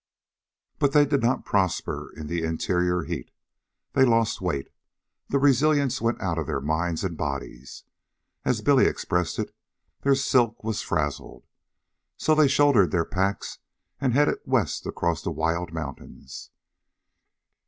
But they did not prosper in the interior heat. They lost weight. The resilience went out of their minds and bodies. As Billy expressed it, their silk was frazzled. So they shouldered their packs and headed west across the wild mountains.